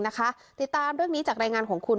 ติดตามเรื่องนี้จากรายงานของคุณ